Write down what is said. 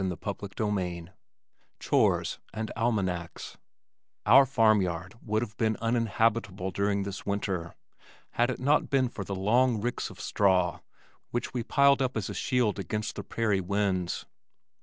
CHAPTER XII Chores and Almanacs Our farm yard would have been uninhabitable during this winter had it not been for the long ricks of straw which we had piled up as a shield against the prairie winds.